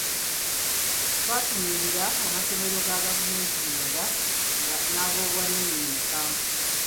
Twatunuulira amasomero ga gavumenti mwenda nag’obwannannyini musanvu.